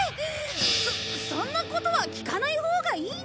そそんなことは聞かないほうがいいんじゃない？